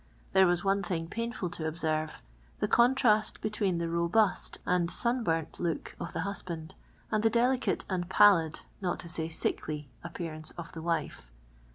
There was one thiiip painful to observe — the contrast between the mhiiAt and Eun bumt hnik uf the iinshand, and the delicate nnd pallid, not to say sickly, .'ip[H>arauce of the wife.